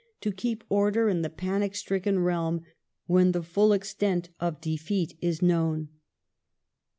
— to keep order in the panic stricken realm when the full extent of defeat is known.